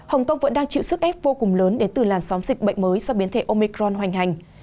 hồng kông vẫn đang chịu sức ép vô cùng lớn đến từ làn sóng dịch bệnh mới do biến thể omicron hoành hành